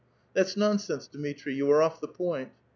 *' That*8 nonsense, Dmitri ! You are off the point."